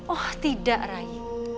oh tidak rai